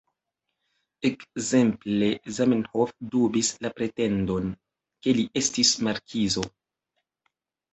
Ekzemple: "Zamenhof dubis la pretendon, ke li estis markizo.